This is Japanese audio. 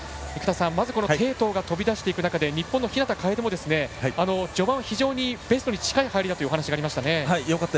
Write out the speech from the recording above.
まず中国の鄭濤が飛び出していく中で日本の日向楓も序盤、非常にベストに近い入りだというお話でした。